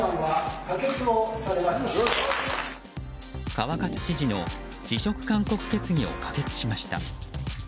川勝知事の辞職勧告決議を可決しました。